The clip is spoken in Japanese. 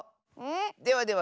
ではでは